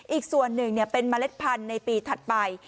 อีกส่วนหนึ่งเป็นเมล็ดพันธุ์ในปีถัดไป